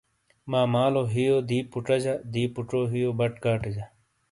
ماں مالو ہِیئو دی پُچاجہ، دی پُچو ہِیئو بَٹ کاٹے جہ۔